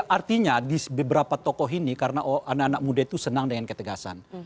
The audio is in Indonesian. artinya di beberapa tokoh ini karena anak anak muda itu senang dengan ketegasan